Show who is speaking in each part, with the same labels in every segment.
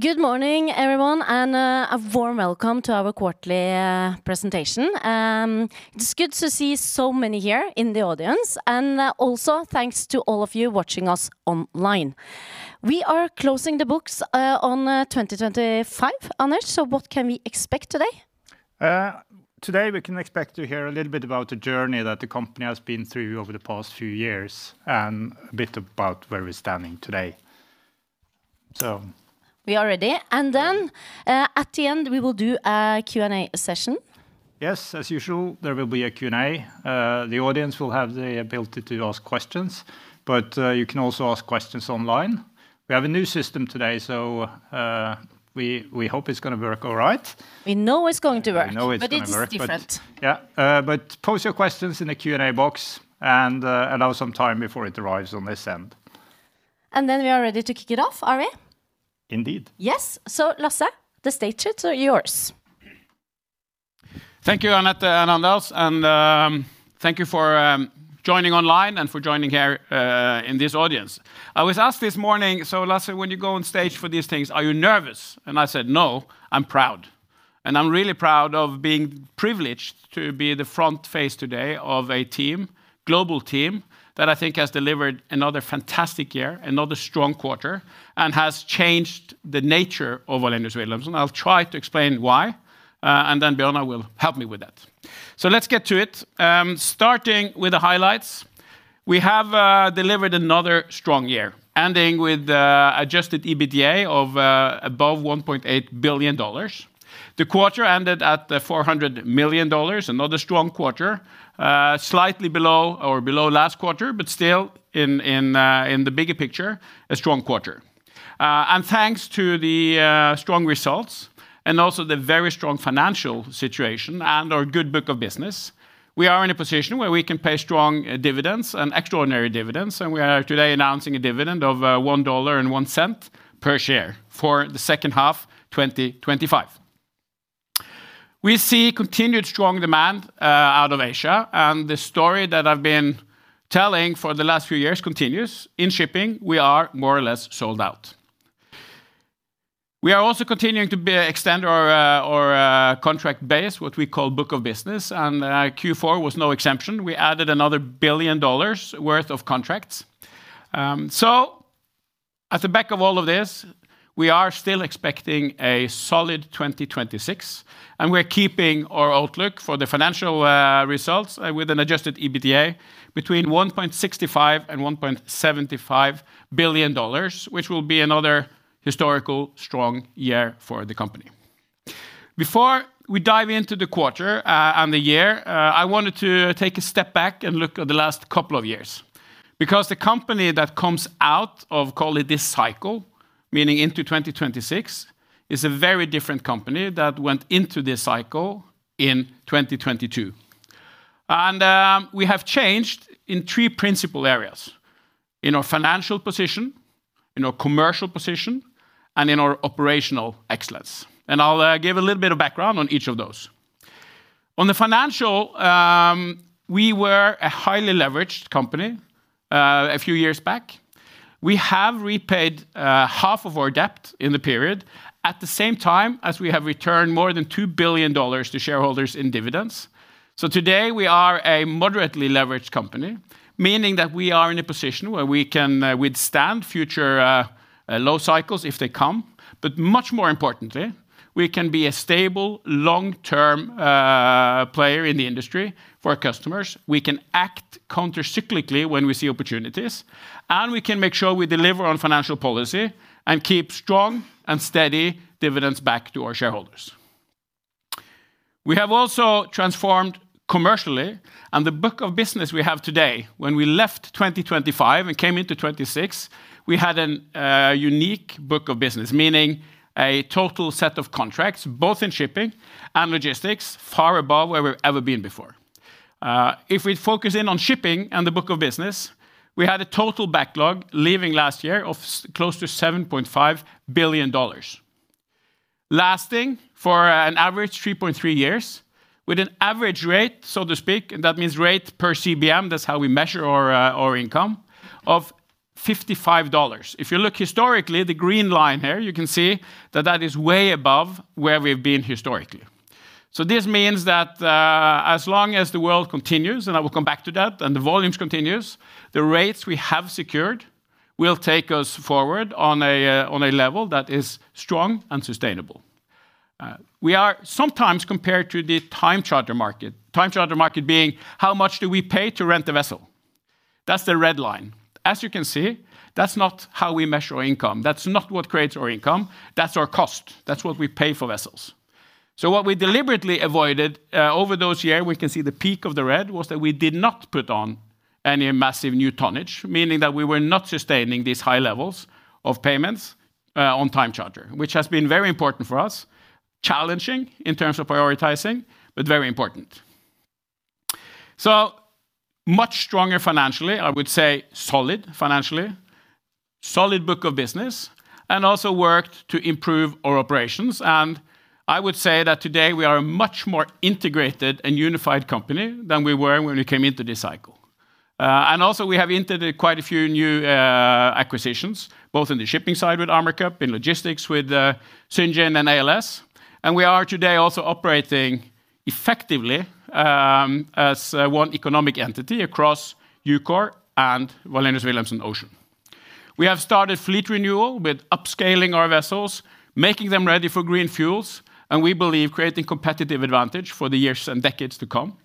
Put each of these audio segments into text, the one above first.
Speaker 1: Good morning, everyone, and a warm welcome to our quarterly presentation. It's good to see so many here in the audience, and also thanks to all of you watching us online. We are closing the books on 2025, Anders, so what can we expect today?
Speaker 2: Today, we can expect to hear a little bit about the journey that the company has been through over the past few years, and a bit about where we're standing today. So-
Speaker 1: We are ready.
Speaker 2: Yeah.
Speaker 1: And then, at the end, we will do a Q&A session.
Speaker 2: Yes, as usual, there will be a Q&A. The audience will have the ability to ask questions, but, you can also ask questions online. We have a new system today, so, we hope it's gonna work all right.
Speaker 1: We know it's going to work-
Speaker 2: We know it's going to work....
Speaker 1: but it's different.
Speaker 2: Yeah. But post your questions in the Q&A box, and allow some time before it arrives on this end.
Speaker 1: And then we are ready to kick it off, are we?
Speaker 2: Indeed.
Speaker 1: Yes. So Lasse, the stage is yours.
Speaker 3: Thank you, Anette and Anders, and thank you for joining online and for joining here in this audience. I was asked this morning, "So Lasse, when you go on stage for these things, are you nervous?" And I said, "No, I'm proud." And I'm really proud of being privileged to be the front face today of a team, global team, that I think has delivered another fantastic year, another strong quarter, and has changed the nature of Wallenius Wilhelmsen, and I'll try to explain why, and then Bjørnar will help me with that. So let's get to it. Starting with the highlights, we have delivered another strong year, ending with adjusted EBITDA of above $1.8 billion. The quarter ended at $400 million, another strong quarter, slightly below or below last quarter, but still, in the bigger picture, a strong quarter. And thanks to the strong results and also the very strong financial situation and our good book of business, we are in a position where we can pay strong dividends and extraordinary dividends, and we are today announcing a dividend of $1.01 per share for the second half, 2025. We see continued strong demand out of Asia, and the story that I've been telling for the last few years continues. In shipping, we are more or less sold out. We are also continuing to extend our contract base, what we call book of business, and Q4 was no exception. We added another $1 billion worth of contracts. So at the back of all of this, we are still expecting a solid 2026, and we're keeping our outlook for the financial results with an Adjusted EBITDA between $1.65 billion and $1.75 billion, which will be another historical, strong year for the company. Before we dive into the quarter and the year, I wanted to take a step back and look at the last couple of years, because the company that comes out of, call it this cycle, meaning into 2026, is a very different company that went into this cycle in 2022. And we have changed in three principal areas: in our financial position, in our commercial position, and in our operational excellence, and I'll give a little bit of background on each of those. On the financial, we were a highly leveraged company, a few years back. We have repaid half of our debt in the period, at the same time as we have returned more than $2 billion to shareholders in dividends. So today, we are a moderately leveraged company, meaning that we are in a position where we can withstand future low cycles if they come. But much more importantly, we can be a stable, long-term player in the industry for our customers. We can act counter-cyclically when we see opportunities, and we can make sure we deliver on financial policy and keep strong and steady dividends back to our shareholders. We have also transformed commercially, and the book of business we have today, when we left 2025 and came into 2026, we had an unique book of business, meaning a total set of contracts, both in shipping and logistics, far above where we've ever been before. If we focus in on shipping and the book of business, we had a total backlog leaving last year of close to $7.5 billion, lasting for an average 3.3 years, with an average rate, so to speak, that means rate per CBM, that's how we measure our our income, of $55. If you look historically, the green line here, you can see that that is way above where we've been historically. So this means that, as long as the world continues, and I will come back to that, and the volumes continues, the rates we have secured will take us forward on a, on a level that is strong and sustainable. We are sometimes compared to the time charter market. Time charter market being: how much do we pay to rent the vessel? That's the red line. As you can see, that's not how we measure our income. That's not what creates our income. That's our cost. That's what we pay for vessels. So what we deliberately avoided, over those years, we can see the peak of the red, was that we did not put on any massive new tonnage, meaning that we were not sustaining these high levels of payments, on time charter, which has been very important for us, challenging in terms of prioritizing, but very important. So much stronger financially, I would say solid financially, solid book of business, and also worked to improve our operations, and I would say that today we are a much more integrated and unified company than we were when we came into this cycle. And also we have entered quite a few new acquisitions, both in the shipping side with Armacup, in logistics with Syngin and ALS. And we are today also operating effectively, as one economic entity across EUKOR and Wallenius Wilhelmsen Ocean. We have started fleet renewal with upscaling our vessels, making them ready for green fuels, and we believe creating competitive advantage for the years and decades to come.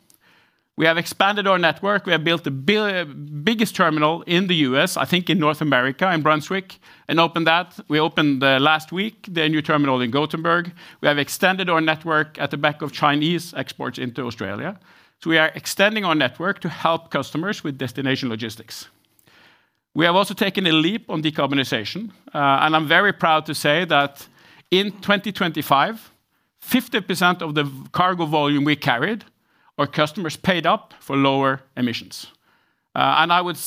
Speaker 3: We have expanded our network. We have built the biggest terminal in the U.S., I think in North America, in Brunswick, and opened that. We opened last week the new terminal in Gothenburg. We have extended our network at the back of Chinese exports into Australia, so we are extending our network to help customers with destination logistics. We have also taken a leap on decarbonization. And I'm very proud to say that in 2025, 50% of the cargo volume we carried, our customers paid up for lower emissions. And I would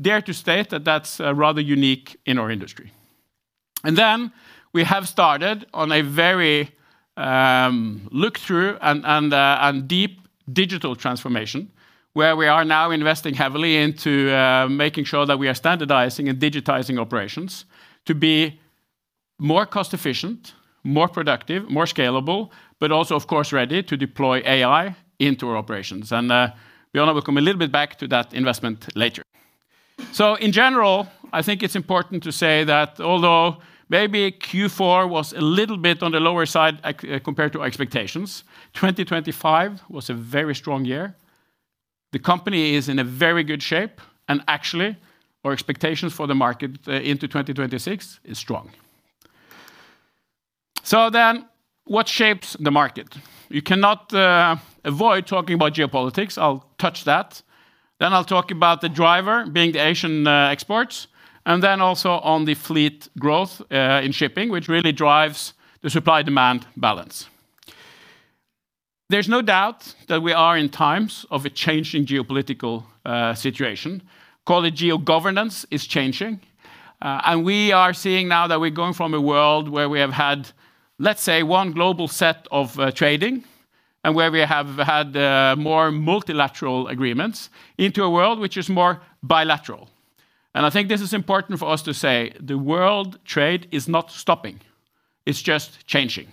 Speaker 3: dare to state that that's rather unique in our industry. And then we have started on a very look through and deep digital transformation, where we are now investing heavily into making sure that we are standardizing and digitizing operations to be more cost efficient, more productive, more scalable, but also, of course, ready to deploy AI into our operations. And we only will come a little bit back to that investment later. So in general, I think it's important to say that although maybe Q4 was a little bit on the lower side, compared to our expectations, 2025 was a very strong year. The company is in a very good shape, and actually, our expectations for the market into 2026 is strong. So then, what shapes the market? You cannot avoid talking about geopolitics. I'll touch that. Then I'll talk about the driver, being the Asian exports, and then also on the fleet growth in shipping, which really drives the supply-demand balance. There's no doubt that we are in times of a changing geopolitical situation. Call it geo-governance is changing, and we are seeing now that we're going from a world where we have had, let's say, one global set of trading and where we have had more multilateral agreements, into a world which is more bilateral. And I think this is important for us to say, the world trade is not stopping, it's just changing.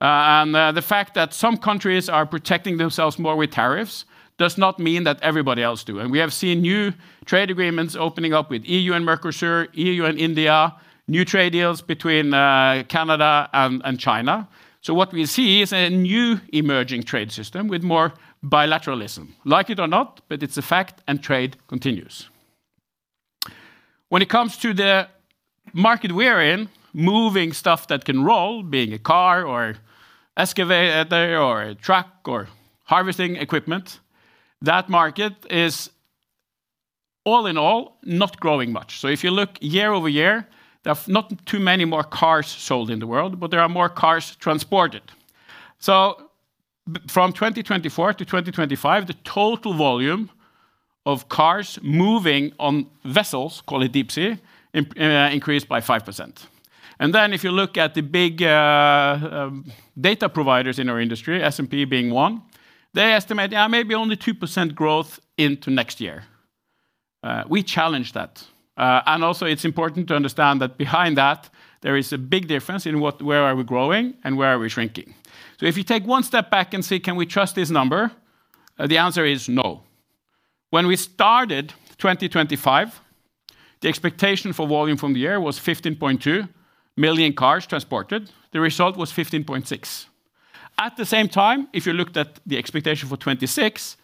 Speaker 3: The fact that some countries are protecting themselves more with tariffs does not mean that everybody else do. And we have seen new trade agreements opening up with EU and Mercosur, EU and India, new trade deals between Canada and China. So what we see is a new emerging trade system with more bilateralism. Like it or not, but it's a fact, and trade continues. When it comes to the market we're in, moving stuff that can roll, being a car or excavator or a truck or harvesting equipment, that market is all in all, not growing much. So if you look year-over-year, there are not too many more cars sold in the world, but there are more cars transported. So from 2024 to 2025, the total volume of cars moving on vessels, call it deep sea, increased by 5%. And then, if you look at the big, data providers in our industry, S&P being one, they estimate there may be only 2% growth into next year. We challenge that. And also it's important to understand that behind that, there is a big difference in what, where are we growing and where are we shrinking? So if you take one step back and say, "Can we trust this number?" The answer is no. When we started 2025, the expectation for volume from the year was 15.2 million cars transported. The result was 15.6. At the same time, if you looked at the expectation for 2026,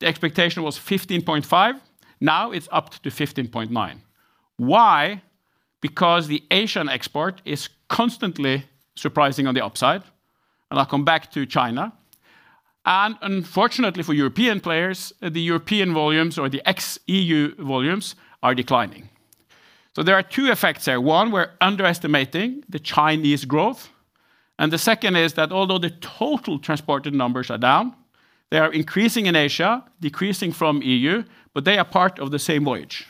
Speaker 3: the expectation was 15.5. Now, it's up to 15.9. Why? Because the Asian export is constantly surprising on the upside, and I'll come back to China. And unfortunately for European players, the European volumes or the ex-EU volumes are declining. So there are two effects here. One, we're underestimating the Chinese growth, and the second is that although the total transported numbers are down, they are increasing in Asia, decreasing from EU, but they are part of the same voyage.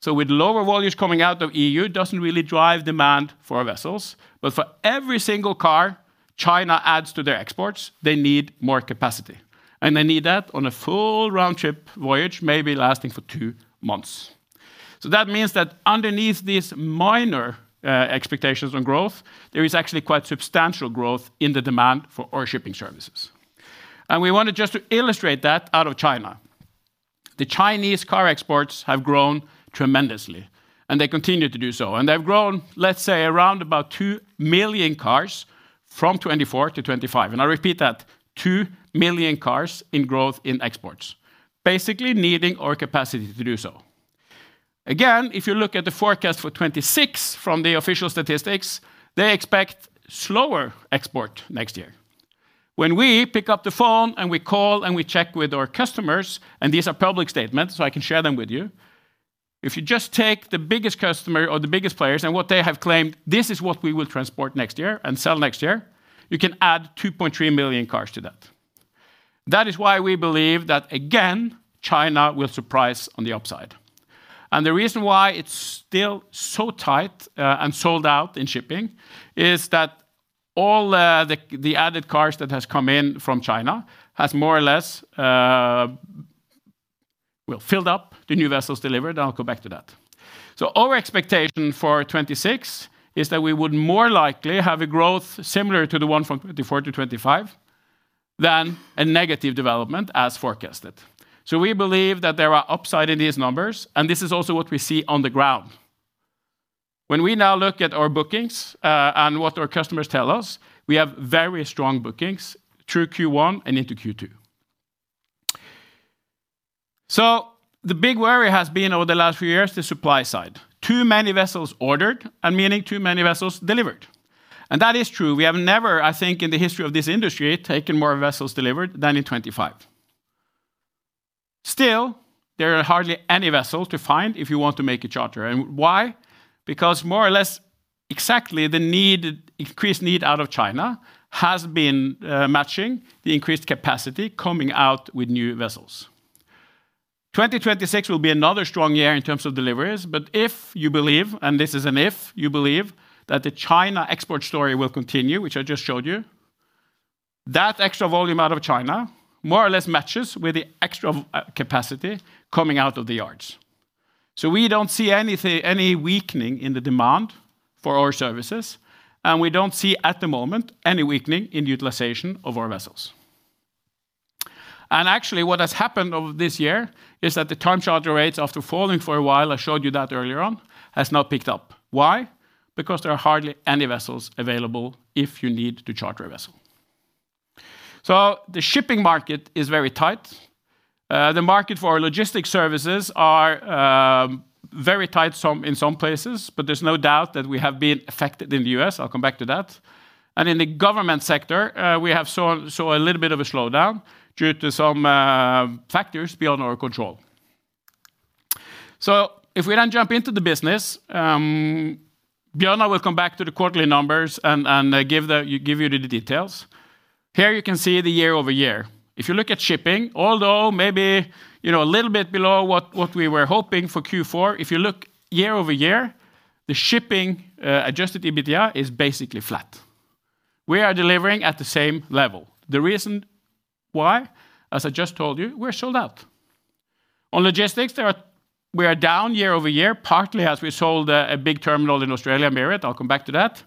Speaker 3: So with lower volumes coming out of EU, it doesn't really drive demand for our vessels, but for every single car China adds to their exports, they need more capacity, and they need that on a full round-trip voyage, maybe lasting for two months. So that means that underneath these minor expectations on growth, there is actually quite substantial growth in the demand for our shipping services. And we want to just to illustrate that out of China. The Chinese car exports have grown tremendously, and they continue to do so. And they've grown, let's say, around about 2 million cars from 2024 to 2025. I repeat that, 2 million cars in growth in exports, basically needing our capacity to do so. Again, if you look at the forecast for 2026 from the official statistics, they expect slower export next year. When we pick up the phone and we call and we check with our customers, and these are public statements, so I can share them with you, if you just take the biggest customer or the biggest players and what they have claimed, this is what we will transport next year and sell next year, you can add 2.3 million cars to that. That is why we believe that, again, China will surprise on the upside.... The reason why it's still so tight, and sold out in shipping, is that all the added cars that has come in from China has more or less, well, filled up the new vessels delivered, and I'll go back to that. Our expectation for 2026 is that we would more likely have a growth similar to the one from 2024 to 2025 than a negative development as forecasted. We believe that there are upside in these numbers, and this is also what we see on the ground. When we now look at our bookings, and what our customers tell us, we have very strong bookings through Q1 and into Q2. The big worry has been, over the last few years, the supply side. Too many vessels ordered, and meaning too many vessels delivered, and that is true. We have never, I think, in the history of this industry, taken more vessels delivered than in 2025. Still, there are hardly any vessels to find if you want to make a charter. And why? Because more or less exactly the need, increased need out of China has been matching the increased capacity coming out with new vessels. 2026 will be another strong year in terms of deliveries, but if you believe, and this is an if, you believe that the China export story will continue, which I just showed you, that extra volume out of China more or less matches with the extra capacity coming out of the yards. So we don't see anything, any weakening in the demand for our services, and we don't see, at the moment, any weakening in utilization of our vessels. Actually, what has happened over this year is that the time charter rates, after falling for a while, I showed you that earlier on, has now picked up. Why? Because there are hardly any vessels available if you need to charter a vessel. So the shipping market is very tight. The market for our logistics services are very tight in some places, but there's no doubt that we have been affected in the U.S. I'll come back to that. And in the government sector, we have saw a little bit of a slowdown due to some factors beyond our control. So if we then jump into the business, Bjørnar and I will come back to the quarterly numbers and give you the details. Here you can see the year-over-year. If you look at shipping, although maybe, you know, a little bit below what, what we were hoping for Q4, if you look year-over-year, the shipping Adjusted EBITDA is basically flat. We are delivering at the same level. The reason why, as I just told you, we're sold out. On logistics, there are... We are down year-over-year, partly as we sold a big terminal in Australia, MIRRAT. I'll come back to that.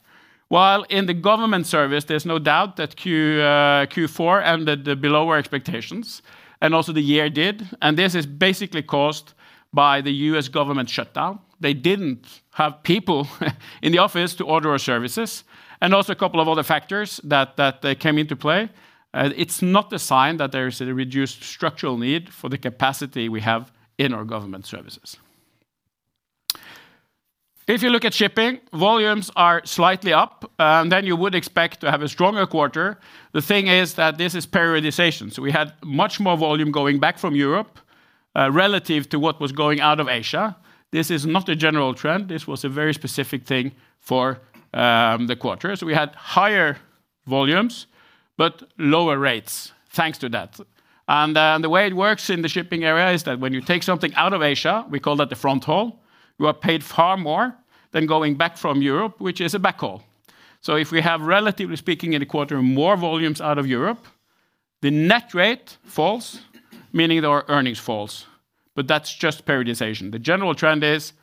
Speaker 3: While in the Government Services, there's no doubt that Q4 ended below our expectations, and also the year did, and this is basically caused by the US government shutdown. They didn't have people in the office to order our services, and also a couple of other factors that came into play. It's not a sign that there is a reduced structural need for the capacity we have in our government services. If you look at shipping, volumes are slightly up, and then you would expect to have a stronger quarter. The thing is that this is periodization. So we had much more volume going back from Europe, relative to what was going out of Asia. This is not a general trend. This was a very specific thing for the quarter. So we had higher volumes, but lower rates thanks to that. The way it works in the shipping area is that when you take something out of Asia, we call that the front haul, you are paid far more than going back from Europe, which is a back haul. So if we have, relatively speaking, in a quarter, more volumes out of Europe, the net rate falls, meaning our earnings falls, but that's just periodization. The general trend is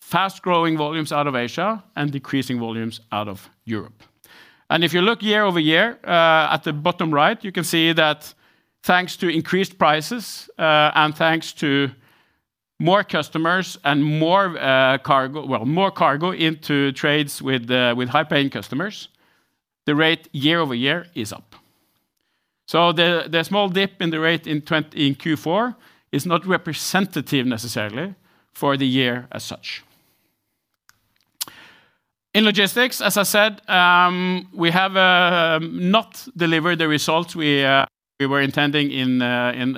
Speaker 3: fast-growing volumes out of Asia and decreasing volumes out of Europe. And if you look year-over-year, at the bottom right, you can see that thanks to increased prices, and thanks to more customers and more, cargo, well, more cargo into trades with, with high-paying customers, the rate year-over-year is up. So the small dip in the rate in Q4 is not representative necessarily for the year as such. In logistics, as I said, we have not delivered the results we were intending in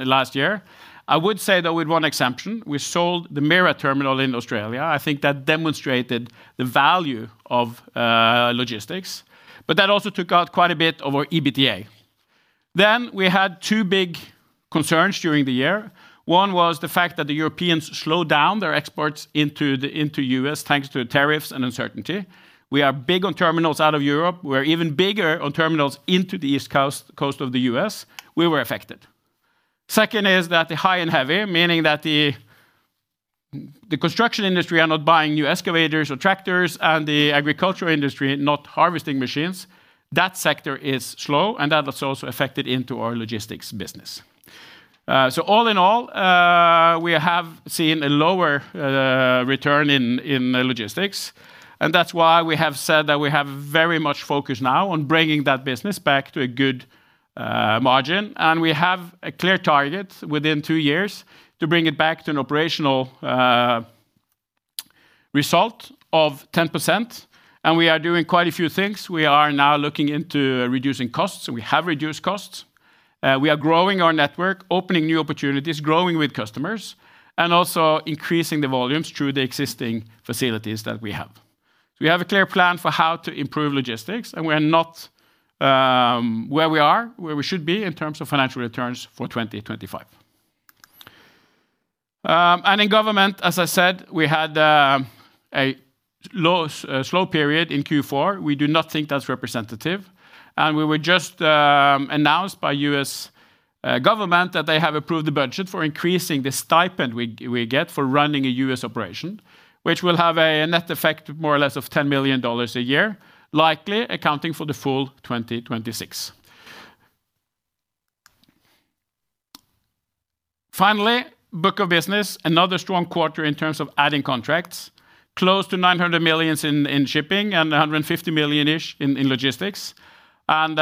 Speaker 3: last year. I would say, though, with one exception: we sold the MIRRAT terminal in Australia. I think that demonstrated the value of logistics, but that also took out quite a bit of our EBITDA. Then, we had two big concerns during the year. One was the fact that the Europeans slowed down their exports into the, into U.S., thanks to tariffs and uncertainty. We are big on terminals out of Europe. We're even bigger on terminals into the East Coast, coast of the U.S. We were affected. Second is that the high and heavy, meaning that the construction industry are not buying new excavators or tractors and the agricultural industry, not harvesting machines. That sector is slow, and that has also affected into our logistics business. So all in all, we have seen a lower return in logistics, and that's why we have said that we have very much focus now on bringing that business back to a good margin. We have a clear target within two years to bring it back to an operational result of 10%, and we are doing quite a few things. We are now looking into reducing costs, so we have reduced costs. We are growing our network, opening new opportunities, growing with customers, and also increasing the volumes through the existing facilities that we have. We have a clear plan for how to improve logistics, and we are not where we should be in terms of financial returns for 2025. And in government, as I said, we had a low, slow period in Q4. We do not think that's representative, and we were just announced by U.S. government that they have approved the budget for increasing the stipend we get for running a U.S. operation, which will have a net effect, more or less, of $10 million a year, likely accounting for the full 2026. Finally, book of business, another strong quarter in terms of adding contracts. Close to $900 million in shipping and $150 million-ish in logistics and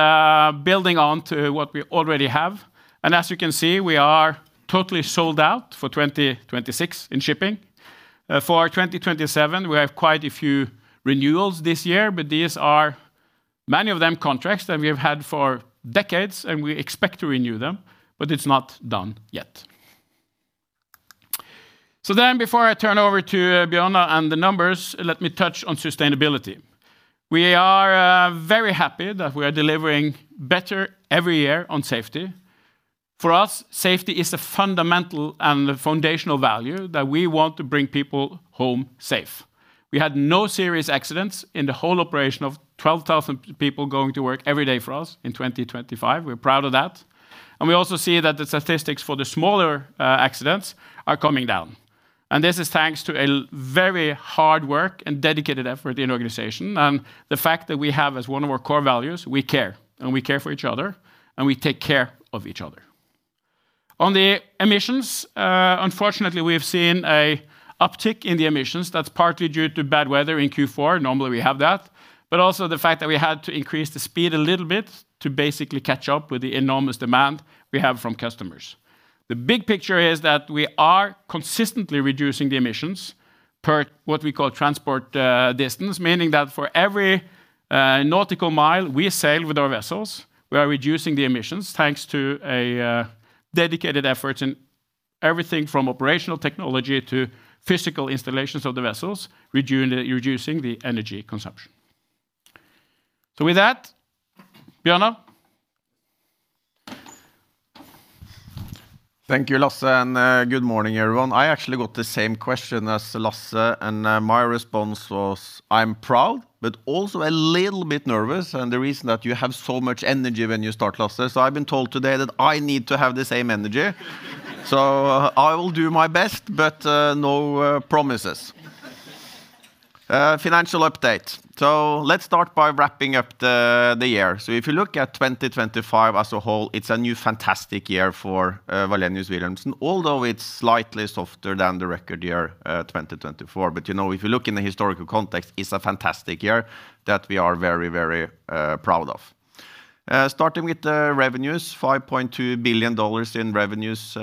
Speaker 3: building on to what we already have. And as you can see, we are totally sold out for 2026 in shipping. For our 2027, we have quite a few renewals this year, but these are many of them, contracts that we have had for decades, and we expect to renew them, but it's not done yet. So then before I turn over to Bjørnar and the numbers, let me touch on sustainability. We are very happy that we are delivering better every year on safety. For us, safety is a fundamental and a foundational value that we want to bring people home safe. We had no serious accidents in the whole operation of 12,000 people going to work every day for us in 2025. We're proud of that, and we also see that the statistics for the smaller accidents are coming down. This is thanks to a very hard work and dedicated effort in organization, and the fact that we have, as one of our core values, we care, and we care for each other, and we take care of each other. On the emissions, unfortunately, we have seen an uptick in the emissions. That's partly due to bad weather in Q4. Normally, we have that, but also the fact that we had to increase the speed a little bit to basically catch up with the enormous demand we have from customers. The big picture is that we are consistently reducing the emissions per what we call transport distance, meaning that for every nautical mile we sail with our vessels, we are reducing the emissions, thanks to a dedicated effort in everything from operational technology to physical installations of the vessels, reducing the energy consumption. With that, Bjørnar?
Speaker 4: Thank you, Lasse, and good morning, everyone. I actually got the same question as Lasse, and my response was, "I'm proud, but also a little bit nervous," and the reason that you have so much energy when you start, Lasse. So I've been told today that I need to have the same energy. So I will do my best, but no promises. Financial update. So let's start by wrapping up the year. So if you look at 2025 as a whole, it's a new, fantastic year for Wallenius Wilhelmsen, although it's slightly softer than the record year 2024. But, you know, if you look in the historical context, it's a fantastic year that we are very, very proud of. Starting with the revenues, $5.2 billion in revenues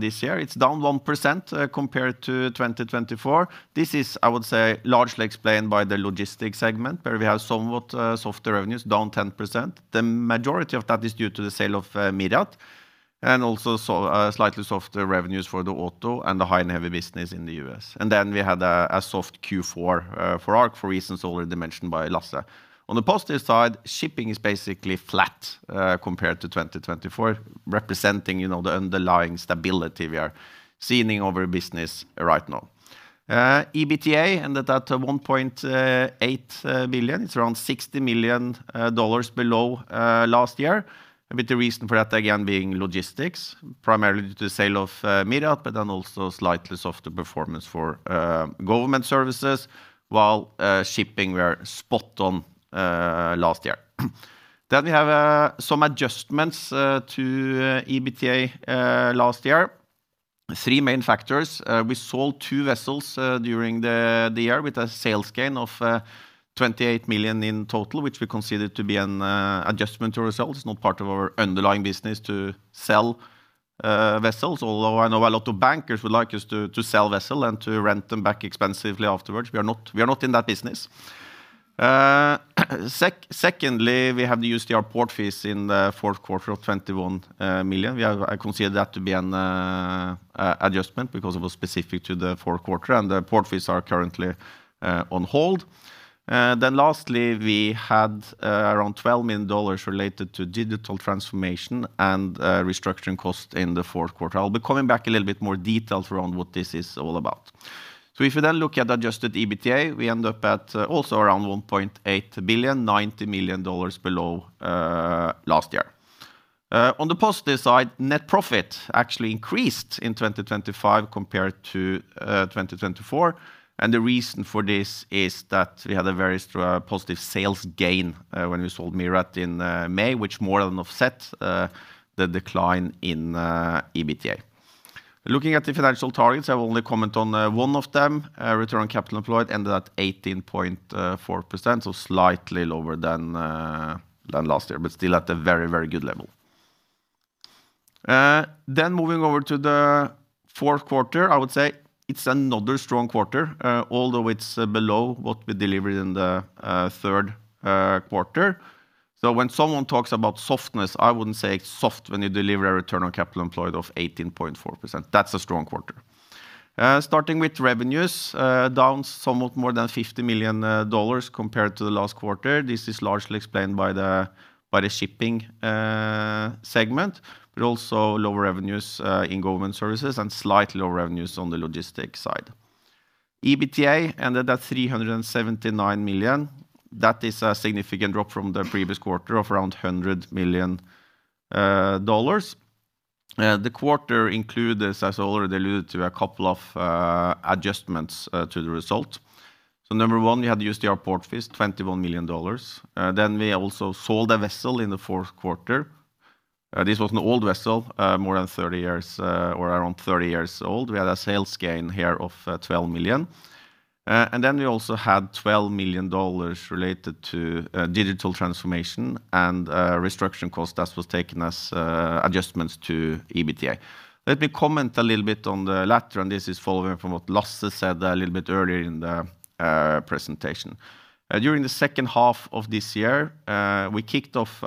Speaker 4: this year. It's down 1%, compared to 2024. This is, I would say, largely explained by the logistics segment, where we have somewhat softer revenues, down 10%. The majority of that is due to the sale of MIRRAT and also slightly softer revenues for the auto and the high and heavy business in the U.S. And then we had a soft Q4 for ARC, for reasons already mentioned by Lasse. On the positive side, shipping is basically flat, compared to 2024, representing, you know, the underlying stability we are seeing over business right now. EBITDA ended at $1.8 billion. It's around $60 million below last year, with the reason for that, again, being logistics, primarily the sale of MIRRAT, but then also slightly softer performance for government services, while shipping were spot on last year. Then we have some adjustments to EBITDA last year. Three main factors: we sold two vessels during the year with a sales gain of $28 million in total, which we considered to be an adjustment to results, not part of our underlying business to sell vessels, although I know a lot of bankers would like us to sell vessel and to rent them back expensively afterwards. We are not, we are not in that business. Secondly, we have the USTR port fees in the fourth quarter of 2021, $21 million. I consider that to be an adjustment because it was specific to the fourth quarter, and the port fees are currently on hold. Then lastly, we had around $12 million related to digital transformation and restructuring costs in the fourth quarter. I'll be coming back a little bit more details around what this is all about. So if you then look at Adjusted EBITDA, we end up at also around $1.8 billion, $90 million below last year. On the positive side, net profit actually increased in 2025 compared to 2024, and the reason for this is that we had a very strong positive sales gain when we sold MIRRAT in May, which more than offset the decline in EBITDA. Looking at the financial targets, I will only comment on one of them. Return on capital employed ended at 18.4%, so slightly lower than last year, but still at a very, very good level. Then moving over to the fourth quarter, I would say it's another strong quarter, although it's below what we delivered in the third quarter. So when someone talks about softness, I wouldn't say it's soft when you deliver a return on capital employed of 18.4%. That's a strong quarter. Starting with revenues, down somewhat more than $50 million compared to the last quarter. This is largely explained by the shipping segment, but also lower revenues in government services and slightly lower revenues on the logistics side. EBITDA ended at $379 million. That is a significant drop from the previous quarter of around $100 million. The quarter includes, as I already alluded to, a couple of adjustments to the result. So number one, we had the USTR port fees, $21 million. Then we also sold a vessel in the fourth quarter. This was an old vessel, more than 30 years or around 30 years old. We had a sales gain here of $12 million. And then we also had $12 million related to digital transformation and restructuring costs. That was taken as adjustments to EBITDA. Let me comment a little bit on the latter, and this is following from what Lasse said a little bit earlier in the presentation. During the second half of this year, we kicked off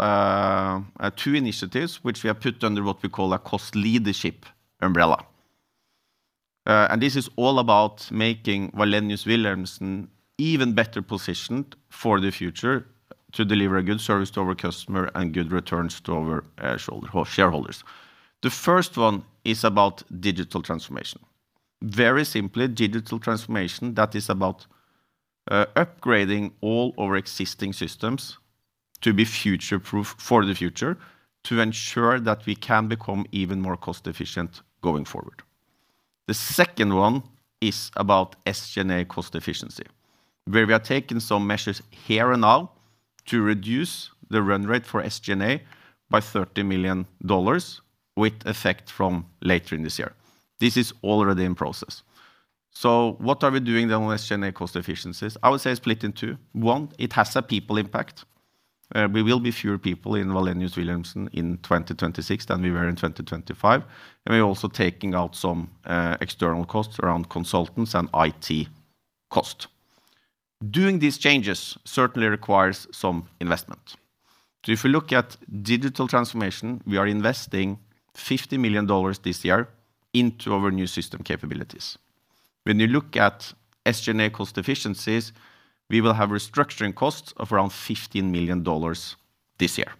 Speaker 4: two initiatives, which we have put under what we call a cost leadership umbrella. This is all about making Wallenius Wilhelmsen an even better positioned for the future to deliver a good service to our customer and good returns to our shareholders. The first one is about digital transformation. Very simply, digital transformation, that is about upgrading all our existing systems to be future-proof for the future, to ensure that we can become even more cost-efficient going forward. The second one is about SG&A cost efficiency, where we are taking some measures here and now to reduce the run rate for SG&A by $30 million, with effect from later in this year. This is already in process. So what are we doing then on SG&A cost efficiencies? I would say it's split in two. One, it has a people impact. We will be fewer people in Wallenius Wilhelmsen in 2026 than we were in 2025, and we're also taking out some external costs around consultants and IT cost. Doing these changes certainly requires some investment. So if you look at digital transformation, we are investing $50 million this year into our new system capabilities. When you look at SG&A cost efficiencies, we will have restructuring costs of around $15 million this year,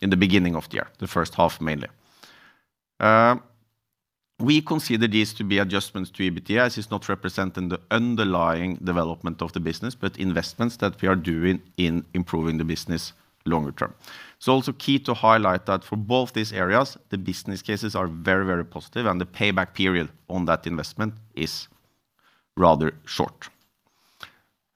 Speaker 4: in the beginning of the year, the first half mainly. We consider this to be adjustments to EBITDA, as it's not representing the underlying development of the business, but investments that we are doing in improving the business longer term. It's also key to highlight that for both these areas, the business cases are very, very positive, and the payback period on that investment is rather short.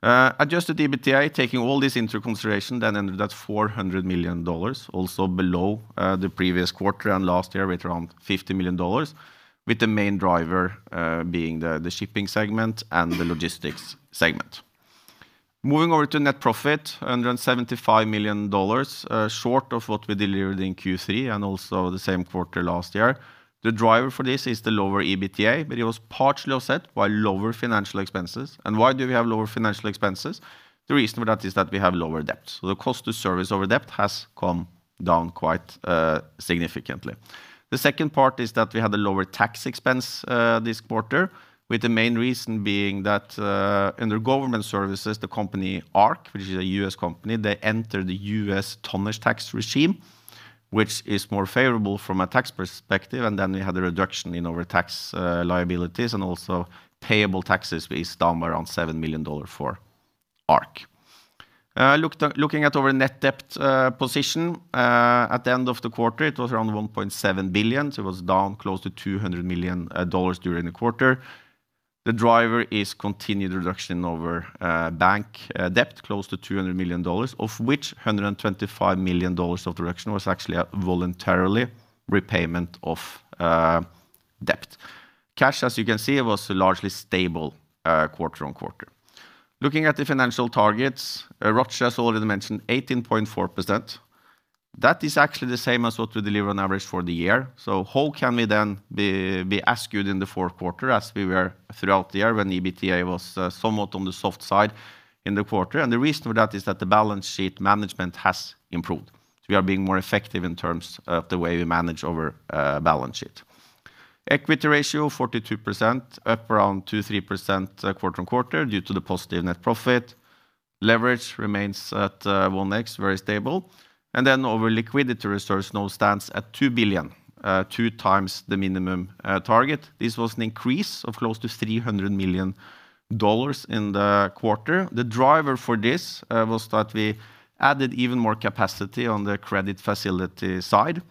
Speaker 4: Adjusted EBITDA, taking all this into consideration, then ended at $400 million, also below the previous quarter and last year with around $50 million, with the main driver being the shipping segment and the logistics segment. Moving over to net profit, $175 million, short of what we delivered in Q3 and also the same quarter last year. The driver for this is the lower EBITDA, but it was partially offset by lower financial expenses. And why do we have lower financial expenses? The reason for that is that we have lower debt, so the cost of service over debt has come down quite significantly. The second part is that we had a lower tax expense this quarter, with the main reason being that in the government services, the company ARC, which is a U.S. company, they entered the U.S. tonnage tax regime, which is more favorable from a tax perspective, and then we had a reduction in our tax liabilities and also payable taxes, based down around $7 million for ARC. Looking at our net debt position at the end of the quarter, it was around $1.7 billion, so it was down close to $200 million dollars during the quarter. The driver is continued reduction in our bank debt, close to $200 million, of which $125 million of the reduction was actually a voluntary repayment of debt. Cash, as you can see, was largely stable, quarter-on-quarter. Looking at the financial targets, ROCE has already mentioned 18.4%. That is actually the same as what we deliver on average for the year. So how can we then be as good in the fourth quarter as we were throughout the year when the EBITDA was somewhat on the soft side in the quarter? And the reason for that is that the balance sheet management has improved. We are being more effective in terms of the way we manage our balance sheet. Equity ratio, 42%, up around 2%-3%, quarter-on-quarter, due to the positive net profit. Leverage remains at 1x, very stable. And then our liquidity reserves now stands at $2 billion, 2x the minimum target. This was an increase of close to $300 million in the quarter. The driver for this was that we added even more capacity on the credit facility side.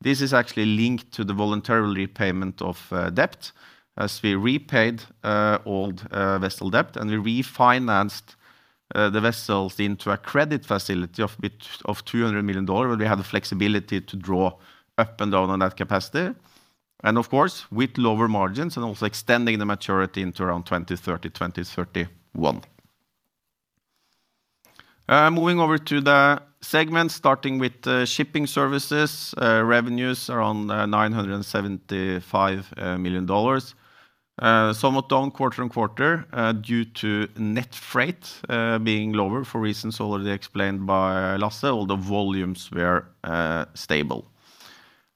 Speaker 4: This is actually linked to the voluntary repayment of debt as we repaid old vessel debt, and we refinanced the vessels into a credit facility of $200 million, where we had the flexibility to draw up and down on that capacity, and of course, with lower margins and also extending the maturity into around 2030, 2031. Moving over to the segments, starting with shipping services, revenues around $975 million. Somewhat down quarter-over-quarter due to net freight being lower for reasons already explained by Lasse, all the volumes were stable.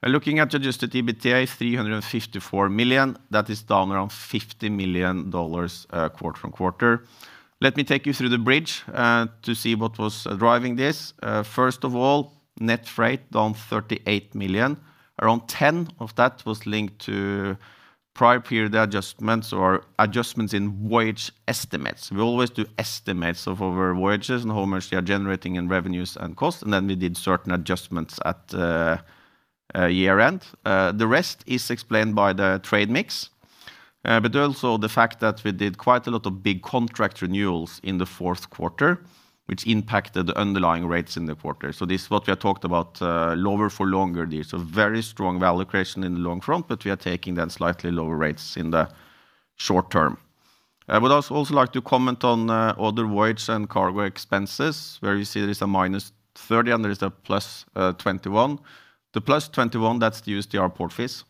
Speaker 4: Looking at adjusted EBITDA, $354 million, that is down around $50 million, quarter-on-quarter. Let me take you through the bridge, to see what was driving this. First of all, net freight down $38 million. Around 10 of that was linked to prior period adjustments or adjustments in voyage estimates. We always do estimates of our voyages and how much they are generating in revenues and costs, and then we did certain adjustments at the, year-end. The rest is explained by the trade mix, but also the fact that we did quite a lot of big contract renewals in the fourth quarter, which impacted the underlying rates in the quarter. So this is what we have talked about, lower for longer. There's a very strong value creation in the long front, but we are taking down slightly lower rates in the short term. I would also like to comment on other voyage and cargo expenses, where you see there is a -30 and there is a +21. The +21, that's the USTR port fees.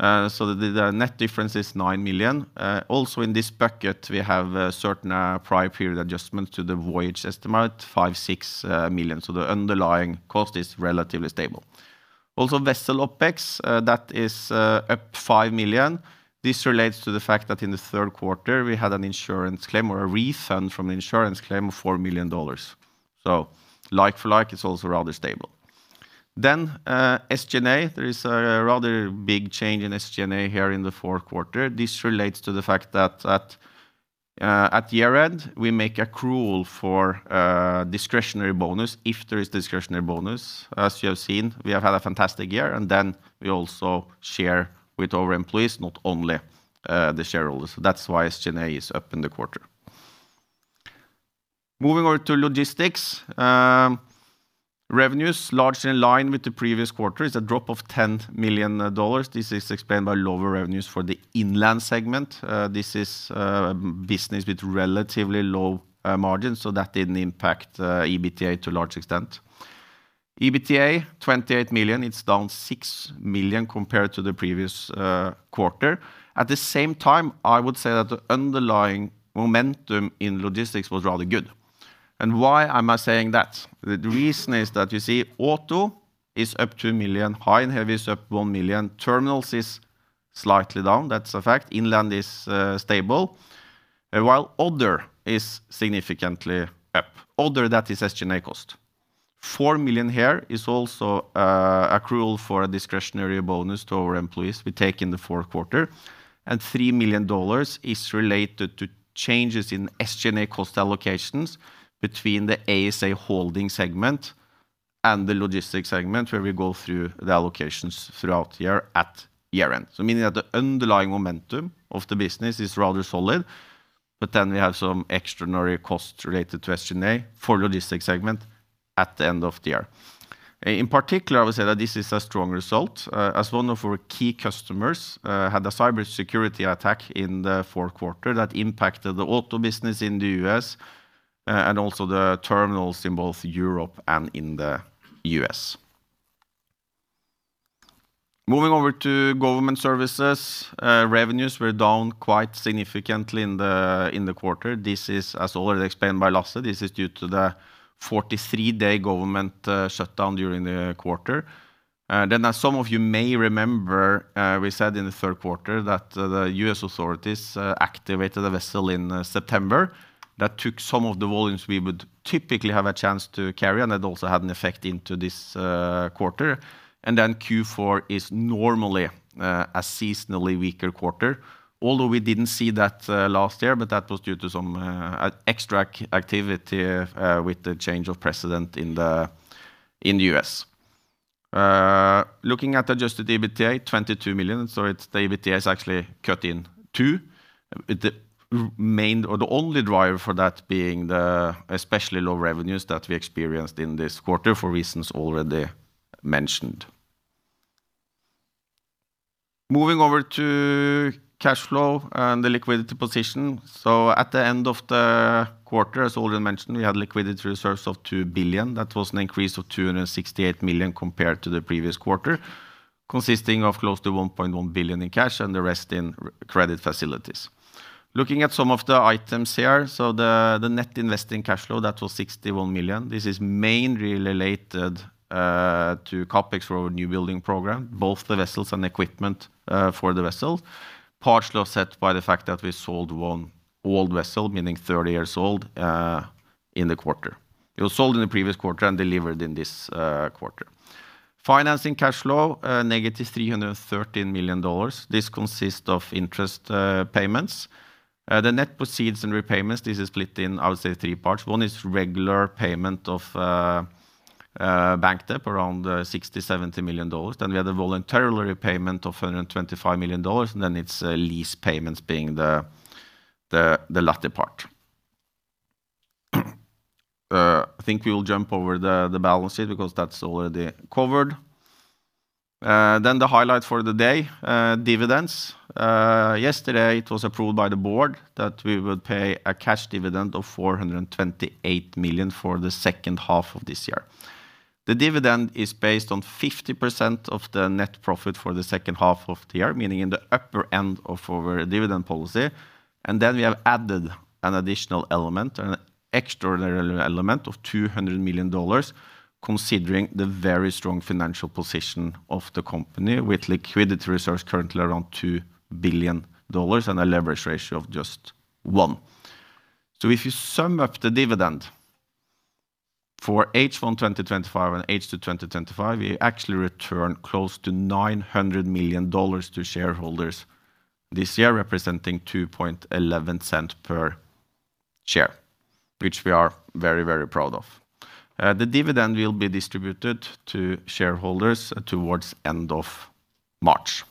Speaker 4: So the net difference is $9 million. Also in this bucket, we have a certain prior period adjustments to the voyage estimate, $5 million-$6 million. So the underlying cost is relatively stable. Also, vessel OpEx, that is up $5 million. This relates to the fact that in the third quarter, we had an insurance claim or a refund from an insurance claim of $4 million. So like for like, it's also rather stable. Then, SG&A, there is a rather big change in SG&A here in the fourth quarter. This relates to the fact that, at year-end, we make accrual for discretionary bonus if there is discretionary bonus. As you have seen, we have had a fantastic year, and then we also share with our employees, not only the shareholders. So that's why SG&A is up in the quarter. Moving over to logistics, revenues, largely in line with the previous quarter, is a drop of $10 million. This is explained by lower revenues for the inland segment. This is business with relatively low margins, so that didn't impact EBITDA to a large extent. EBITDA, $28 million, it's down $6 million compared to the previous quarter. At the same time, I would say that the underlying momentum in logistics was rather good. Why am I saying that? The reason is that you see Auto is up $2 million, High and Heavy is up $1 million, Terminals is slightly down, that's a fact. Inland is stable, while Other is significantly up. Other, that is SG&A cost. $4 million here is also accrual for a discretionary bonus to our employees we take in the fourth quarter, and $3 million is related to changes in SG&A cost allocations between the ASA Holding segment and the Logistics segment, where we go through the allocations throughout here at year-end. So meaning that the underlying momentum of the business is rather solid, but then we have some extraordinary costs related to SG&A for Logistics segment at the end of the year. In particular, I would say that this is a strong result, as one of our key customers had a cybersecurity attack in the fourth quarter that impacted the auto business in the U.S., and also the terminals in both Europe and in the U.S. Moving over to Government Services, revenues were down quite significantly in the quarter. This is, as already explained by Lasse, this is due to the 43-day government shutdown during the quarter. Then as some of you may remember, we said in the third quarter that the U.S. authorities activated a vessel in September that took some of the volumes we would typically have a chance to carry, and that also had an effect into this quarter. Then Q4 is normally a seasonally weaker quarter, although we didn't see that last year, but that was due to some extra activity with the change of president in the U.S. Looking at adjusted EBITDA, $22 million, so its EBITDA is actually cut in two, with the main or the only driver for that being the especially low revenues that we experienced in this quarter for reasons already mentioned. Moving over to cash flow and the liquidity position. At the end of the quarter, as already mentioned, we had liquidity reserves of $2 billion. That was an increase of $268 million compared to the previous quarter, consisting of close to $1.1 billion in cash and the rest in revolving credit facilities. Looking at some of the items here, so the net investing cash flow, that was $61 million. This is mainly related to CapEx for our new building program, both the vessels and equipment for the vessel, partially offset by the fact that we sold one old vessel, meaning 30 years old, in the quarter. It was sold in the previous quarter and delivered in this quarter. Financing cash flow, negative $313 million. This consists of interest payments. The net proceeds and repayments, this is split in, I would say, three parts. One is regular payment of bank debt, around $60 million-$70 million. Then we have the voluntary repayment of $125 million, and then it's lease payments being the latter part. I think we will jump over the balance sheet because that's already covered. Then the highlight for the day, dividends. Yesterday, it was approved by the board that we would pay a cash dividend of $428 million for the second half of this year. The dividend is based on 50% of the net profit for the second half of the year, meaning in the upper end of our dividend policy. And then we have added an additional element, an extraordinary element of $200 million, considering the very strong financial position of the company, with liquidity reserves currently around $2 billion and a leverage ratio of just one. So if you sum up the dividend for H1 2025 and H2 2025, we actually return close to $900 million to shareholders this year, representing $0.0211 per share, which we are very, very proud of. The dividend will be distributed to shareholders towards end of March.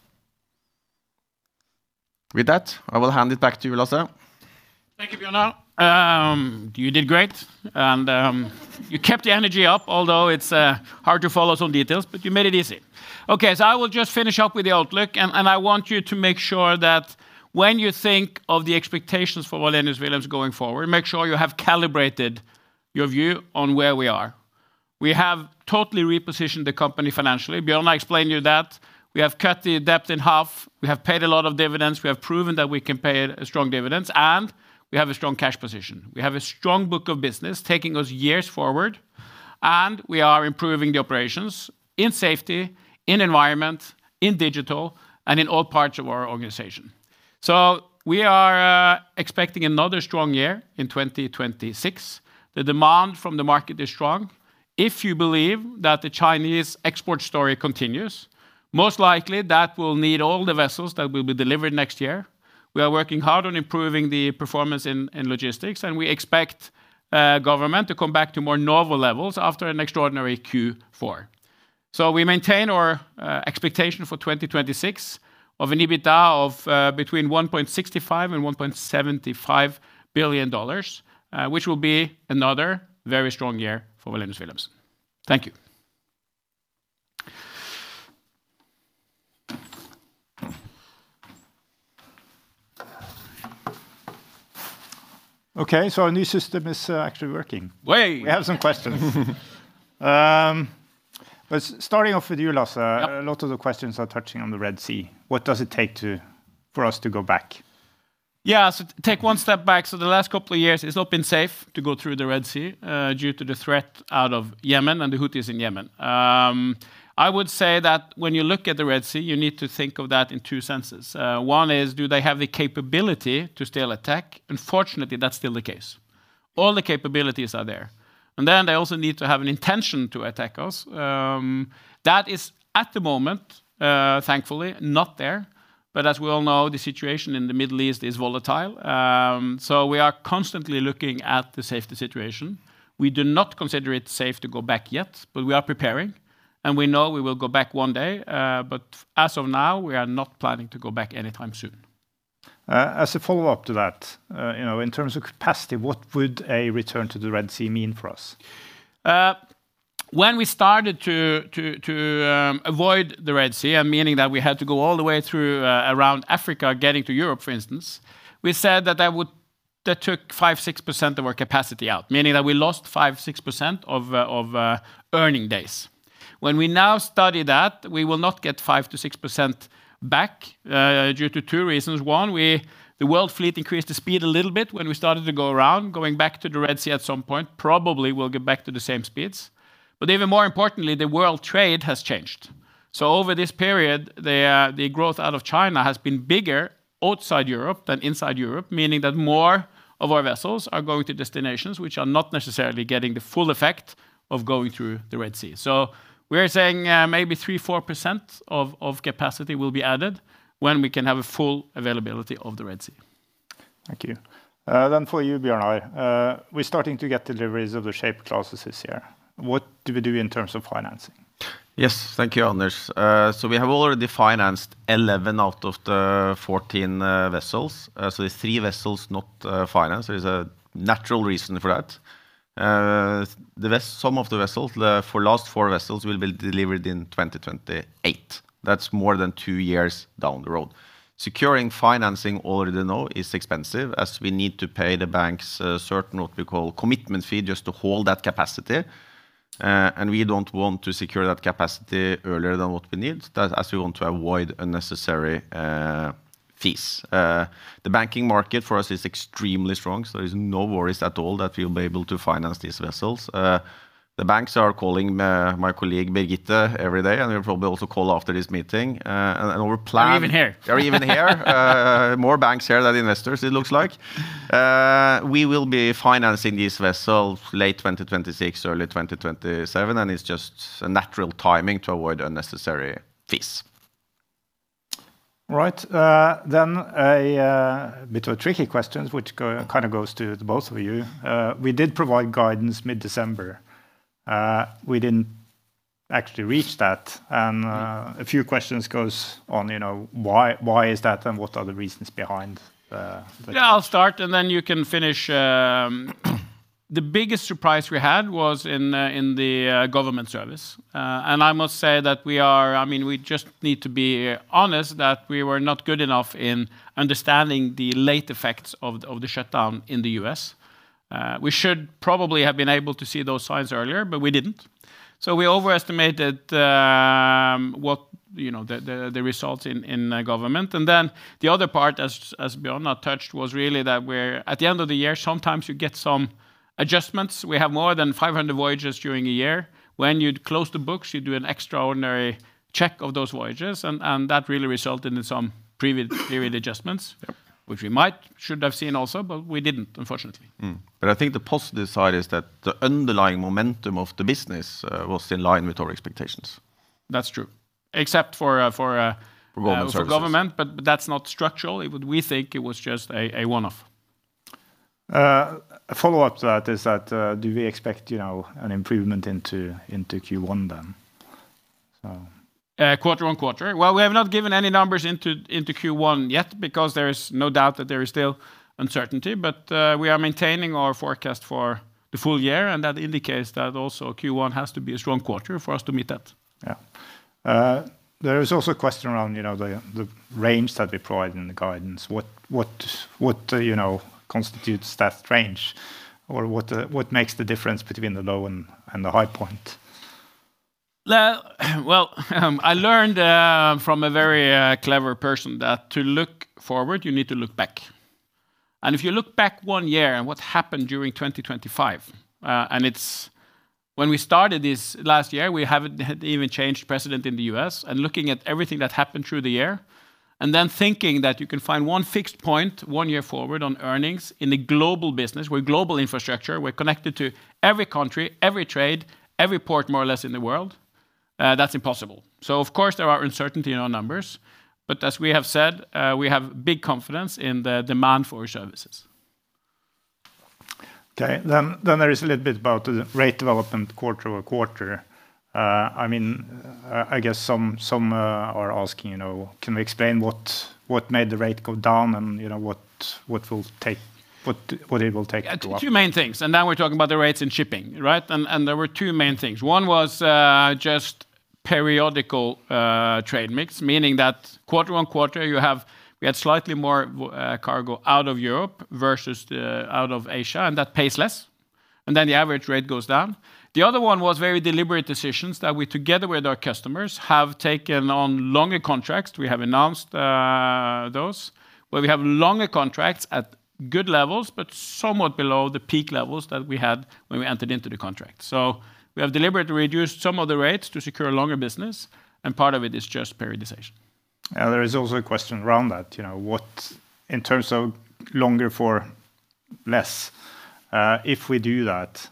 Speaker 4: With that, I will hand it back to you, Lasse.
Speaker 3: Thank you, Bjørnar. You did great, and you kept the energy up, although it's hard to follow some details, but you made it easy. Okay, so I will just finish up with the outlook, and, and I want you to make sure that when you think of the expectations for Wallenius Wilhelmsen going forward, make sure you have calibrated your view on where we are. We have totally repositioned the company financially. Bjørnar explained to you that. We have cut the debt in half, we have paid a lot of dividends, we have proven that we can pay a strong dividend, and we have a strong cash position. We have a strong book of business taking us years forward, and we are improving the operations in safety, in environment, in digital, and in all parts of our organization. So we are expecting another strong year in 2026. The demand from the market is strong. If you believe that the Chinese export story continues, most likely that will need all the vessels that will be delivered next year. We are working hard on improving the performance in logistics, and we expect government to come back to more normal levels after an extraordinary Q4. So we maintain our expectation for 2026 of an EBITDA of between $1.65 billion and $1.75 billion, which will be another very strong year for Wallenius Wilhelmsen. Thank you.
Speaker 2: Okay, so our new system is, actually working.
Speaker 3: Way!
Speaker 2: We have some questions. Starting off with you, Lasse-
Speaker 3: Yeah.
Speaker 2: A lot of the questions are touching on the Red Sea. What does it take for us to go back?
Speaker 3: Yeah, so take one step back. So the last couple of years, it's not been safe to go through the Red Sea, due to the threat out of Yemen and the Houthis in Yemen. I would say that when you look at the Red Sea, you need to think of that in two senses. One is, do they have the capability to still attack? Unfortunately, that's still the case. All the capabilities are there. And then they also need to have an intention to attack us. That is, at the moment, thankfully not there. But as we all know, the situation in the Middle East is volatile. So we are constantly looking at the safety situation. We do not consider it safe to go back yet, but we are preparing, and we know we will go back one day, but as of now, we are not planning to go back anytime soon.
Speaker 2: As a follow-up to that, you know, in terms of capacity, what would a return to the Red Sea mean for us?
Speaker 3: When we started to avoid the Red Sea, meaning that we had to go all the way through around Africa, getting to Europe, for instance, we said that that would. That took 5%-6% of our capacity out, meaning that we lost 5%-6% of earning days. When we now study that, we will not get 5%-6% back due to two reasons: one, the world fleet increased the speed a little bit when we started to go around. Going back to the Red Sea at some point, probably we'll get back to the same speeds. But even more importantly, the world trade has changed. So over this period, the growth out of China has been bigger outside Europe than inside Europe, meaning that more of our vessels are going to destinations which are not necessarily getting the full effect of going through the Red Sea. So we are saying, maybe 3%-4% of capacity will be added when we can have a full availability of the Red Sea.
Speaker 2: Thank you. Then for you, Bjørnar, we're starting to get deliveries of the Shaper Class this year. What do we do in terms of financing?
Speaker 4: Yes. Thank you, Anders. So we have already financed 11 out of the 14 vessels. So there's three vessels not financed. There's a natural reason for that. Some of the vessels, the last four vessels, will be delivered in 2028. That's more than two years down the road. Securing financing already now is expensive, as we need to pay the banks a certain, what we call, commitment fee, just to hold that capacity. And we don't want to secure that capacity earlier than what we need, as we want to avoid unnecessary fees. The banking market for us is extremely strong, so there's no worries at all that we'll be able to finance these vessels. The banks are calling my colleague, Birgitte, every day, and they will probably also call after this meeting, and our plan-
Speaker 3: They're even here.
Speaker 4: They're even here. More banks here than investors, it looks like. We will be financing these vessels late 2026, early 2027, and it's just a natural timing to avoid unnecessary fees.
Speaker 2: Right. Then a bit of a tricky question, which kind of goes to both of you. We did provide guidance mid-December. We didn't actually reach that, and a few questions go on, you know, why, why is that, and what are the reasons behind the-
Speaker 3: Yeah, I'll start, and then you can finish. The biggest surprise we had was in the Government Services. And I must say that we are... I mean, we just need to be honest, that we were not good enough in understanding the late effects of the shutdown in the U.S. We should probably have been able to see those signs earlier, but we didn't. So we overestimated what, you know, the results in Government. And then the other part, as Bjørnar touched, was really that we're at the end of the year, sometimes you get some adjustments. We have more than 500 voyages during a year. When you'd close the books, you do an extraordinary check of those voyages, and that really resulted in some prior-period adjustments.
Speaker 4: Yep.
Speaker 3: which we might should have seen also, but we didn't, unfortunately.
Speaker 4: But I think the positive side is that the underlying momentum of the business was in line with our expectations.
Speaker 3: That's true. Except for, for-
Speaker 4: Government services...
Speaker 3: for government, but that's not structural. It would, we think it was just a one-off.
Speaker 2: A follow-up to that is that, do we expect, you know, an improvement into Q1 then? So.
Speaker 3: Quarter-over-quarter. Well, we have not given any numbers into Q1 yet because there is no doubt that there is still uncertainty. But, we are maintaining our forecast for the full year, and that indicates that also Q1 has to be a strong quarter for us to meet that.
Speaker 2: Yeah. There is also a question around, you know, the range that we provide in the guidance. What, you know, constitutes that range, or what the... what makes the difference between the low and the high point?
Speaker 3: Well, I learned from a very clever person that to look forward, you need to look back. And if you look back one year and what happened during 2025, and it's when we started this last year, we haven't had even changed president in the U.S., and looking at everything that happened through the year, and then thinking that you can find one fixed point one year forward on earnings in a global business, we're global infrastructure, we're connected to every country, every trade, every port, more or less in the world, that's impossible. So of course, there are uncertainty in our numbers, but as we have said, we have big confidence in the demand for our services.
Speaker 2: Okay. Then there is a little bit about the rate development quarter-over-quarter. I mean, I guess some are asking, you know, can we explain what made the rate go down, and, you know, what it will take to up?
Speaker 3: Two main things, and now we're talking about the rates in shipping, right? And there were two main things. One was just periodic trade mix, meaning that quarter-over-quarter, we had slightly more cargo out of Europe versus out of Asia, and that pays less, and then the average rate goes down. The other one was very deliberate decisions that we, together with our customers, have taken on longer contracts. We have announced those, where we have longer contracts at good levels, but somewhat below the peak levels that we had when we entered into the contract. So we have deliberately reduced some of the rates to secure longer business, and part of it is just periodization.
Speaker 2: Yeah. There is also a question around that. You know, what, in terms of longer for less, if we do that,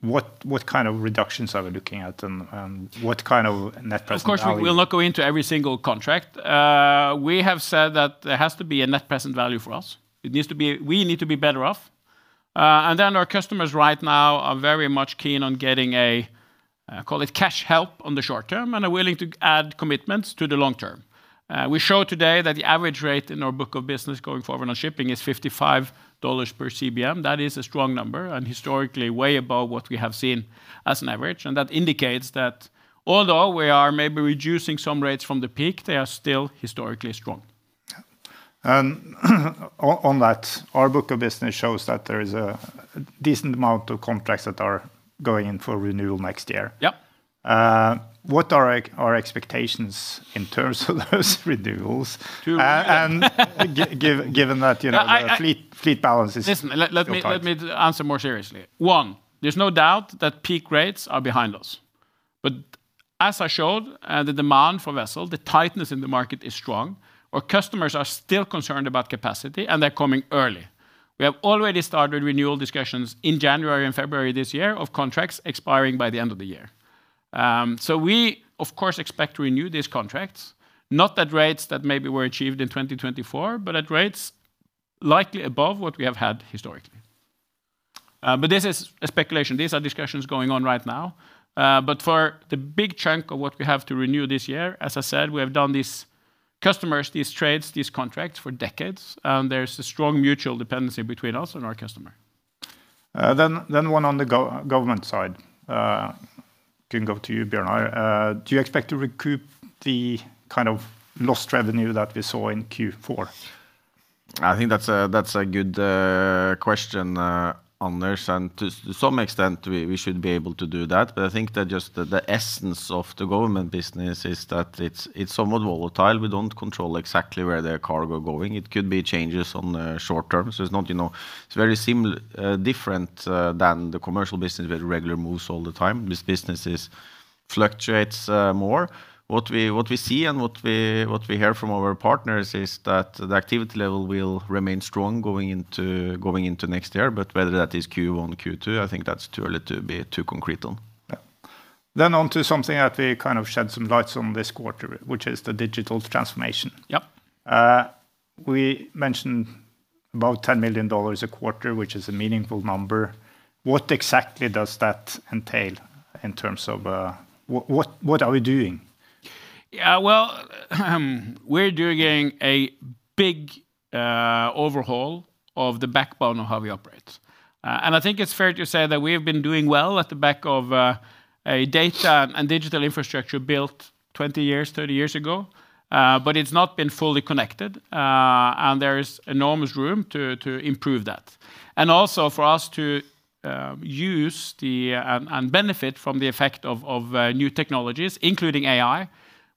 Speaker 2: what, what kind of reductions are we looking at, and, and what kind of net present value?
Speaker 3: Of course, we'll not go into every single contract. We have said that there has to be a net present value for us. It needs to be... We need to be better off. And then our customers right now are very much keen on getting a, call it, cash help on the short term, and are willing to add commitments to the long term. We show today that the average rate in our book of business going forward on shipping is $55 per CBM. That is a strong number and historically way above what we have seen as an average, and that indicates that although we are maybe reducing some rates from the peak, they are still historically strong.
Speaker 2: Yeah. And on that, our book of business shows that there is a decent amount of contracts that are going in for renewal next year.
Speaker 3: Yep.
Speaker 2: What are our expectations in terms of those renewals and given that, you know, the fleet balance is-
Speaker 3: Listen, let me-
Speaker 2: Okay....
Speaker 3: let me answer more seriously. One, there's no doubt that peak rates are behind us. But as I showed, the demand for vessel, the tightness in the market is strong. Our customers are still concerned about capacity, and they're coming early. We have already started renewal discussions in January and February this year of contracts expiring by the end of the year. So we, of course, expect to renew these contracts, not at rates that maybe were achieved in 2024, but at rates likely above what we have had historically. But this is a speculation. These are discussions going on right now. But for the big chunk of what we have to renew this year, as I said, we have done these customers, these trades, these contracts for decades, and there's a strong mutual dependency between us and our customer.
Speaker 2: Then, one on the government side can go to you, Bjørnar. Do you expect to recoup the kind of lost revenue that we saw in Q4?
Speaker 4: I think that's a good question, Anders, and to some extent, we should be able to do that. But I think that just the essence of the government business is that it's somewhat volatile. We don't control exactly where their cargo going. It could be changes on the short term. So it's not, you know, it's very similar, different, than the commercial business with regular moves all the time. This business is fluctuates more. What we see and what we hear from our partners is that the activity level will remain strong going into next year, but whether that is Q1, Q2, I think that's too early to be too concrete on.
Speaker 2: Yeah. Then on to something that we kind of shed some lights on this quarter, which is the digital transformation.
Speaker 3: Yep.
Speaker 2: We mentioned about $10 million a quarter, which is a meaningful number. What exactly does that entail in terms of... What are we doing?
Speaker 3: Yeah, well, we're doing a big overhaul of the backbone of how we operate. And I think it's fair to say that we have been doing well at the back of a data and digital infrastructure built 20 years, 30 years ago, but it's not been fully connected, and there is enormous room to improve that. And also for us to use the and benefit from the effect of new technologies, including AI,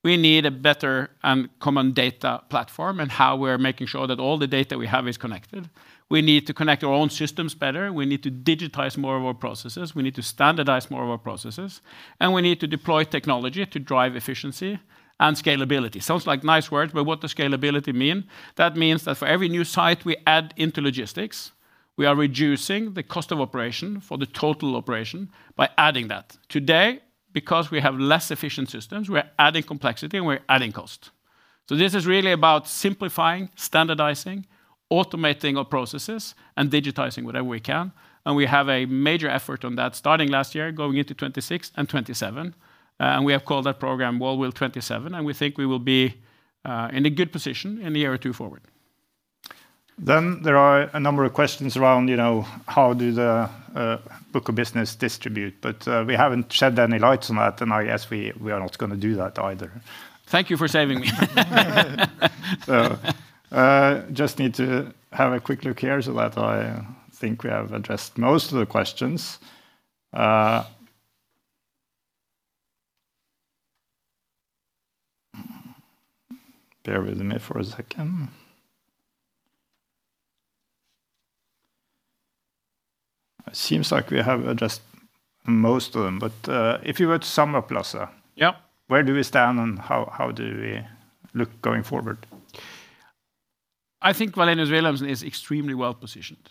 Speaker 3: we need a better and common data platform, and how we're making sure that all the data we have is connected. We need to connect our own systems better. We need to digitize more of our processes. We need to standardize more of our processes, and we need to deploy technology to drive efficiency and scalability. Sounds like nice words, but what does scalability mean? That means that for every new site we add into logistics, we are reducing the cost of operation for the total operation by adding that. Today, because we have less efficient systems, we're adding complexity, and we're adding cost. So this is really about simplifying, standardizing, automating our processes, and digitizing whatever we can, and we have a major effort on that starting last year, going into 2026 and 2027. And we have called that program WalWil27, and we think we will be in a good position in the year or two forward.
Speaker 2: Then there are a number of questions around, you know, how do the book of business distribute? But, we haven't shed any light on that, and I guess we, we are not gonna do that either.
Speaker 3: Thank you for saving me.
Speaker 2: So, just need to have a quick look here so that I think we have addressed most of the questions. Bear with me for a second. It seems like we have addressed most of them, but, if you were to sum up, Lasse-
Speaker 3: Yeah.
Speaker 2: Where do we stand, and how, how do we look going forward?
Speaker 3: I think Wallenius Wilhelmsen is extremely well-positioned.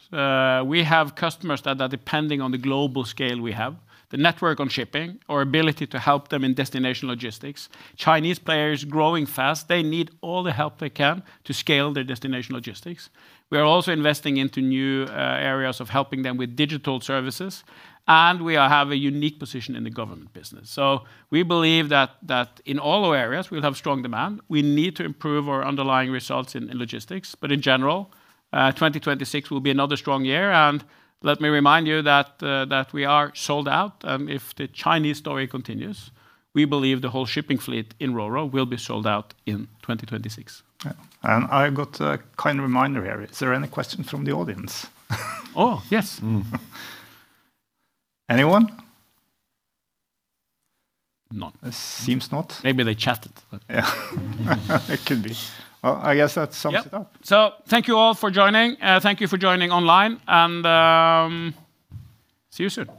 Speaker 3: We have customers that are depending on the global scale we have, the network on shipping, our ability to help them in destination logistics. Chinese players growing fast, they need all the help they can to scale their destination logistics. We are also investing into new areas of helping them with digital services, and we are have a unique position in the government business. So we believe that, that in all our areas, we'll have strong demand. We need to improve our underlying results in logistics, but in general, 2026 will be another strong year. And let me remind you that, that we are sold out, if the Chinese story continues. We believe the whole shipping fleet in RoRo will be sold out in 2026.
Speaker 2: Right. I've got a kind reminder here. Is there any questions from the audience?
Speaker 3: Oh, yes.
Speaker 2: Mm. Anyone?
Speaker 3: None.
Speaker 2: It seems not.
Speaker 3: Maybe they chatted, but-
Speaker 2: Yeah, it could be. Well, I guess that sums it up.
Speaker 3: Yep. So thank you all for joining, and thank you for joining online, and, see you soon!